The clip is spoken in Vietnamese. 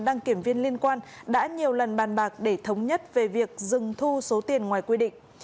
đăng kiểm viên liên quan đã nhiều lần bàn bạc để thống nhất về việc dừng thu số tiền ngoài quy định